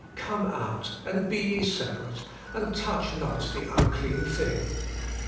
' Come out, and be ye separate, and touch not the unclean thing.'